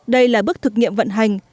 đây là bước thực nghiệm vận hành